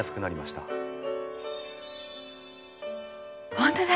本当だ！